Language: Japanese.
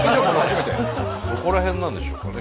どこら辺なんでしょうかね？